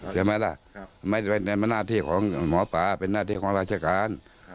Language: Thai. ใช่ไหมล่ะไม่ใช่หน้าที่ของหมอป่าเป็นหน้าที่ของราชการ